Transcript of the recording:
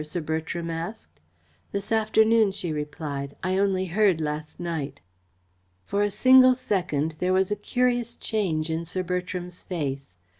Sir Bertram asked. "This afternoon," she replied. "I only heard last night." For a single second there was a curious change in Sir Bertram's face.